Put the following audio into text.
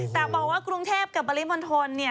แต่บอกว่ากรุงเทพกับปริมณฑลเนี่ย